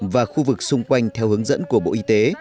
và khu vực xung quanh theo hướng dẫn của bộ y tế